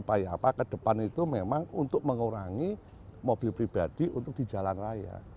apa ke depan itu memang untuk mengurangi mobil pribadi untuk di jalan raya